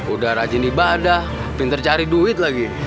udah rajin ibadah pintar cari duit lagi